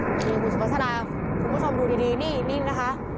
นี่คุณสุภาษาคุณผู้ชมดูดีนี่นะคะ